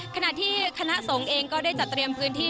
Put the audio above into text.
ขณะที่คณะสงฆ์เองก็ได้จัดเตรียมพื้นที่